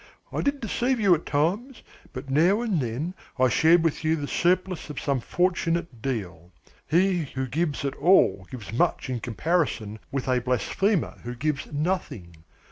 I did deceive you at times, but now and then I shared with you the surplus of some fortunate deal. He who gives at all gives much in comparison with a blasphemer who gives nothing.